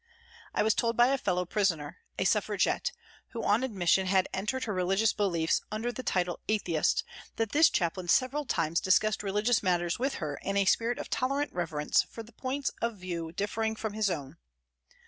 I was told by a fellow prisoner, a Suffragette, who on admission had entered her religious beliefs under the title " atheist," that this chaplain several times dis cussed religious matters with her in a spirit of tolerant reverence for points of view differing from FROM THE CELLS 193 his own.